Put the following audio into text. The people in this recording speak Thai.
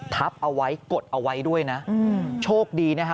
ทับเอาไว้กดเอาไว้ด้วยนะโชคดีนะฮะ